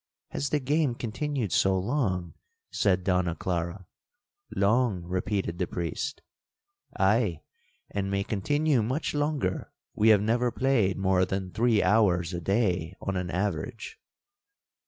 '—'Has the game continued so long?' said Donna Clara. 'Long!' repeated the priest, 'Aye, and may continue much longer—we have never played more than three hours a day on an average.'